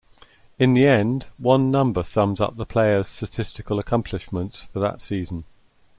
In the end, one number sums up the players' statistical accomplishments for that season.